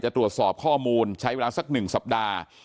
ตรวจสอบข้อมูลใช้เวลาสัก๑สัปดาห์